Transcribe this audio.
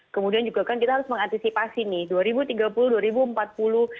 kemudian juga kan kita harus mengantisipasi nih